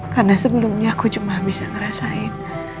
karena sebelumnya aku cuma bisa ngerasain